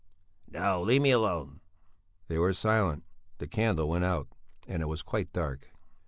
"No, leave me alone!" They were silent. The candle went out and it was quite dark.